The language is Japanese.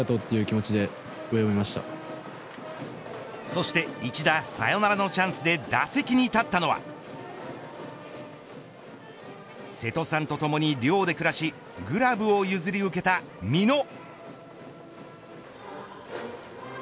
そして一打サヨナラのチャンスで打席に立ったのは瀬戸さんとともに寮で暮らしグラブを譲り受けた美濃。